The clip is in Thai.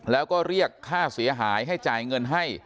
แล้วก็เรียกค่าเสียหายให้จ่ายเงินให้